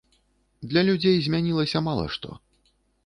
Для людзей змянілася мала што.